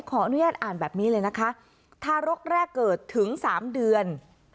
ขออนุญาตอ่านแบบนี้เลยนะคะทารกแรกเกิดถึง๓เดือน